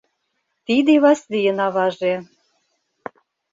Тиде Васлийын аваже.